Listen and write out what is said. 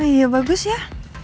iya bagus ya